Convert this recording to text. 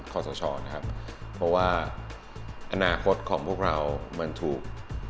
เพราะว่าอนาคตของพวกเรามันถูก